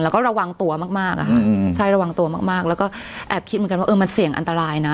แล้วก็ระวังตัวมากอะค่ะใช่ระวังตัวมากแล้วก็แอบคิดเหมือนกันว่ามันเสี่ยงอันตรายนะ